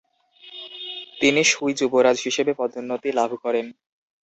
তিনি সুই যুবরাজ হিসেবে পদোন্নতি লাভ করেন।